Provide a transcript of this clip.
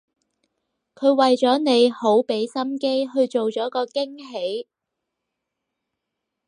佢為咗你好畀心機去做咗個驚喜